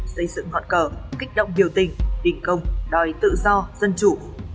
xây dựng họn cờ kích động biểu tình tình công đòi tự do dân chủ